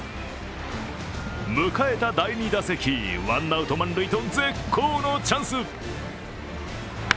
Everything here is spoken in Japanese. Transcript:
迎えた第２打席、ワンアウト満塁と絶好のチャンス。